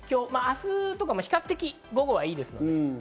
明日とかも比較的午後はいいです。